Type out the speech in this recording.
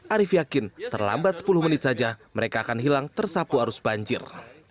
arief yakin terlambat sepuluh menit saja mereka akan hilang tersapu arus banjir